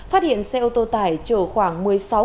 phát hiện xe ô tô tải chở khoảng